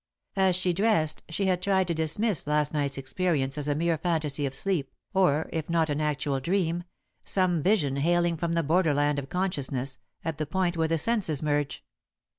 As she dressed, she had tried to dismiss last night's experience as a mere fantasy of sleep, or, if not an actual dream, some vision hailing from the borderland of consciousness, at the point where the senses merge.